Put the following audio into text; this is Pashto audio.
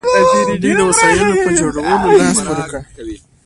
دوی د وسایلو په جوړولو لاس پورې کړ.